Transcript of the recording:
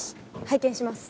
拝見します。